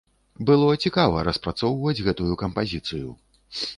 Было цікава распрацоўваць гэтую кампазіцыю.